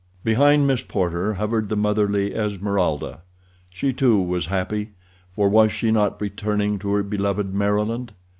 Behind Miss Porter hovered the motherly Esmeralda. She, too, was happy, for was she not returning to her beloved Maryland?